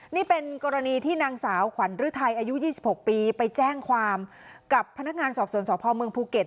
นี่เป็นกรณีที่นางสาวขวัญฤทัยอายุ๒๖ปีไปแจ้งความกับพนักงานสอบสวนสพเมืองภูเก็ต